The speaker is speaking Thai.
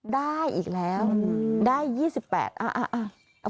ได้อีกแล้วได้๒๘อ่ะ